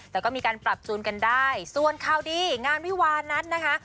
แต่ก็มีการปรับจูนกันได้ส่วนข่าวดีงานวิวานั้นนะคะ